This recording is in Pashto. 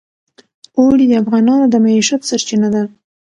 اوړي د افغانانو د معیشت سرچینه ده.